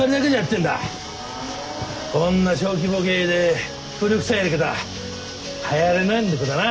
こんな小規模経営で古くさいやり方はやらねんだけどな。